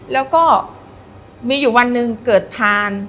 แล้วก็มีอยู่วันหนึ่งเกิดพาน